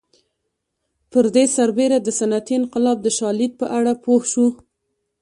پر دې سربېره د صنعتي انقلاب د شالید په اړه پوه شو